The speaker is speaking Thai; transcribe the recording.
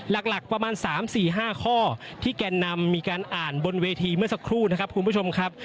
หลักประมาณ๓๔๕ข้อที่แกนนำมีการอ่านบนเวทีเมื่อสักครู่นะครับคุณผู้ชมครับ